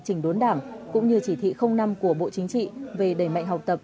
chỉnh đốn đảng cũng như chỉ thị năm của bộ chính trị về đẩy mạnh học tập